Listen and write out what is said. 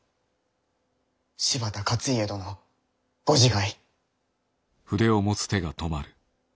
柴田勝家殿ご自害！